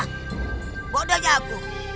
hah bodohnya aku